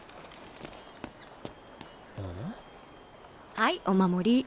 はいお守り。